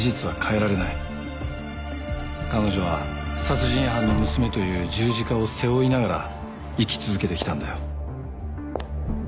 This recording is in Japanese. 彼女は殺人犯の娘という十字架を背負いながら生き続けてきたんだよ。